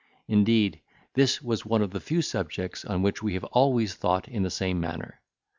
—Indeed, this was one of the few subjects on which we have always thought in the same manner.